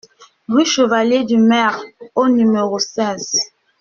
Rue Chevalier du Merle au numéro seize